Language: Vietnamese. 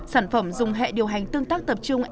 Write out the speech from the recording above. sản phẩm dùng hệ điều hành tương tác tập trung